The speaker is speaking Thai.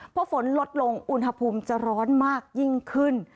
พอฝนลดลงอุณหภูมิจะร้อนมากยิ่งขึ้น